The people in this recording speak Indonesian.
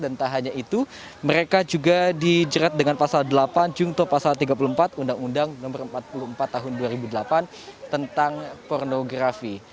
keduanya dijerat dengan pasal delapan jumlah pasal tiga puluh empat undang undang nomor empat puluh empat tahun dua ribu delapan tentang pornografi